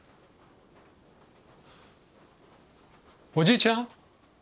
おじいちゃん？